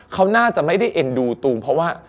เขาน่าจะไม่ได้เอ็นดูตูมเพราะว่า